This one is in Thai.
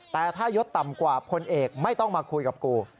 แต่ถ้ายศต่ำกว่าพลเอกไม่ต้องมาคุยกับกู